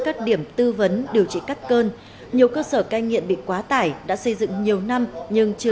các điểm tư vấn điều trị cắt cơn nhiều cơ sở cai nghiện bị quá tải đã xây dựng nhiều năm nhưng chưa